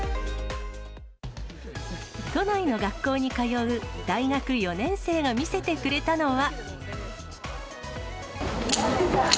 都内の学校に通う大学４年生が見せてくれたのは。